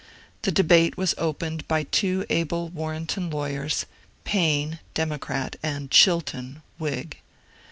The debate was opened by two able Warrenton lawyers, — Payne (Democrat) and Chilton (Whig).